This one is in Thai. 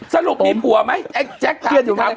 สรุปมีผัวไหมแจ๊คถามสิครับ